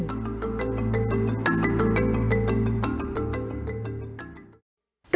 และมีความสุขที่จะสามารถสร้างสรรคที่สุดและการสร้างสรรคที่สุด